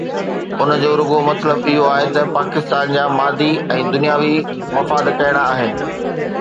ان جو رڳو مطلب اهو آهي ته پاڪستان جا مادي ۽ دنياوي مفاد ڪهڙا آهن؟